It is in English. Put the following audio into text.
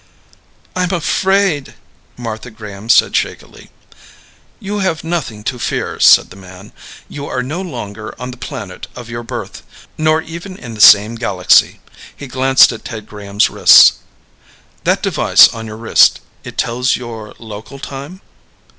"I'm afraid," Martha Graham said shakily. "You have nothing to fear," said the man. "You are no longer on the planet of your birth nor even in the same galaxy." He glanced at Ted Graham's wrist. "That device on your wrist it tells your local time?"